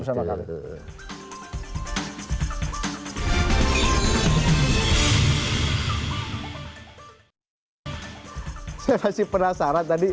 saya masih penasaran tadi